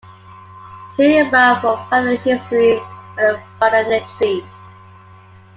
See above for further history of the baronetcy.